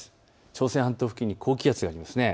朝鮮半島付近に高気圧があります。